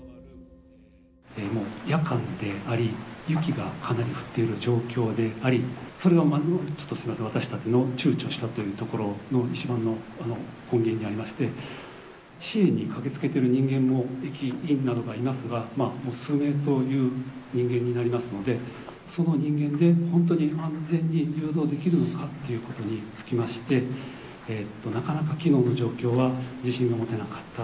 夜間であり、雪がかなり降っている状況であり、それが、ちょっとすみません、私たちのちゅうちょしたというところの一番の根源にありまして、支援に駆けつけている人間も、駅員などがいますが、もう数人という人間になりますので、その人間で、本当に安全に誘導できるのかっていうことにつきまして、なかなか機能の状況は、自信が持てなかった。